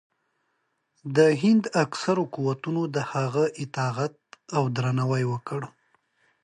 د هند اکثرو قوتونو د هغه اطاعت او درناوی وکړ.